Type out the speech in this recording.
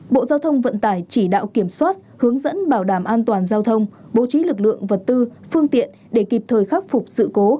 bộ giao thông vận tải chỉ đạo kiểm soát hướng dẫn bảo đảm an toàn giao thông bố trí lực lượng vật tư phương tiện để kịp thời khắc phục sự cố